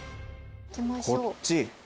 こっち？